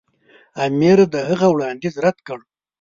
امیر د هغه وړاندیز رد کړ.